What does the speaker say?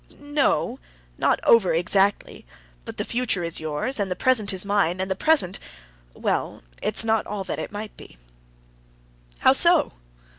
"No; not over exactly, but the future is yours, and the present is mine, and the present—well, it's not all that it might be." "How so?"